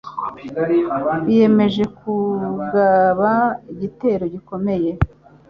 Biyemeje kugaba igitero gikomeye.